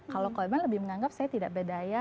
kalau korban lebih menganggap saya tidak berdaya